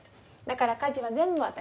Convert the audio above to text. だから家事は全部私。